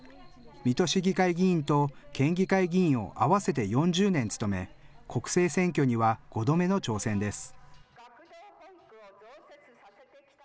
水戸市議会議員と県議会議員を合わせて４０年務め、国政選挙には５度目の挑戦です。